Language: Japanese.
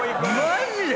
マジで⁉